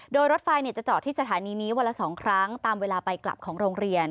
โดยรถไฟจะจอดที่สถานีนี้วันละ๒ครั้งตามเวลาไปกลับของโรงเรียน